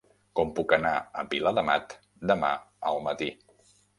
Com puc anar a Viladamat demà al matí?